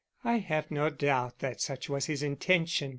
_ _"I have no doubt that such was his intention.